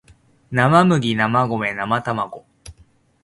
なまむぎなまごめなまたまご